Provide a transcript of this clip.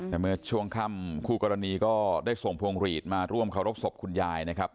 แต่เมื่อช่วงค่ำคู่กรณีก็ได้ส่งพวงหลีดมาร่วมเคารพศพคุณยายนะครับ